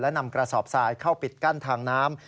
และนำกระสอบทรายเข้าปิดกั้นทางน้ำ